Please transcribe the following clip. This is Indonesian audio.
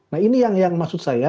nah ini yang maksud saya